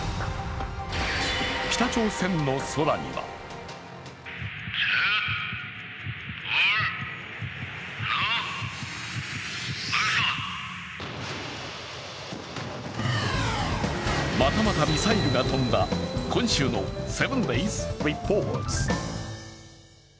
北朝鮮の空にはまたまたミサイルが飛んだ今週の「７ｄａｙｓリポート」。